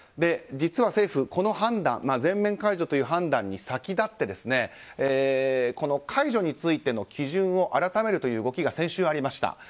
実は、政府は全面解除という判断に先立って解除についての基準を改めるという動きが先週ありました。